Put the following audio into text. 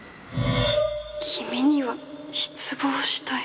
「君には失望したよ」